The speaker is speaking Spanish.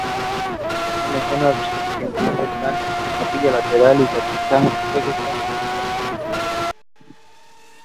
En la zona septentrional están la Capilla lateral y la sacristía, espacios hoy comunicados.